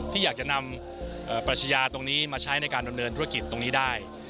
ที่อยากจะนำปรัชญาตรงนี้มาใช้ในการดำเนินธุรกิจตรงนี้ได้